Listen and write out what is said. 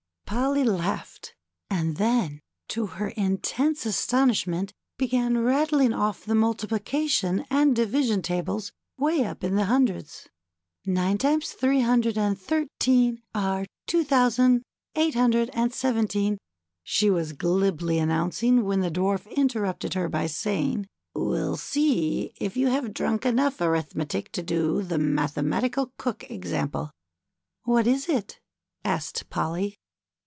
Polly laughed^ and then, to her intense astonishment, began rattling off the multiplication and division tables way up in the hundreds. Nine times three hundred and thirteen are two thou sand eight hundred and seventeen," she was glibly an nouncing when the Dwarf interruj)ted her by saying. We'll see if you have drunk enough Arithmetic to do the Mathematical Cook example." ^^What is it?" asked Polly.